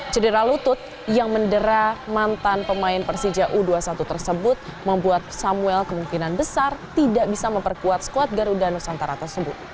cedera lutut yang mendera mantan pemain persija u dua puluh satu tersebut membuat samuel kemungkinan besar tidak bisa memperkuat skuad garuda nusantara tersebut